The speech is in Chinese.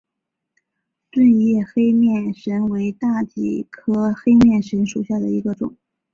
钝叶黑面神为大戟科黑面神属下的一个种。